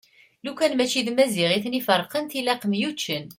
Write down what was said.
Lukan mačči d Maziɣ iten-iferqen tilaq myuččen.